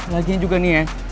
lagian juga nih ya